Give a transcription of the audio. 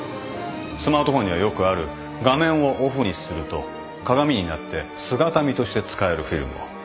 スマートフォンにはよくある画面をオフにすると鏡になって姿見として使えるフィルムを。